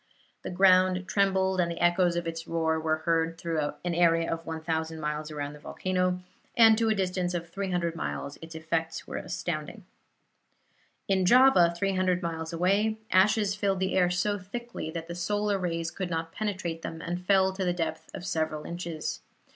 The ground trembled and the echoes of its roar were heard through an area of 1,000 miles around the volcano, and to a distance of 300 miles its effects were astounding. In Java, 300 miles away, ashes filled the air so thickly that the solar rays could not penetrate them, and fell to the depth of several inches.